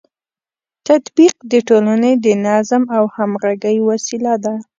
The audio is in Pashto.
تطبیق د ټولنې د نظم او همغږۍ وسیله ده.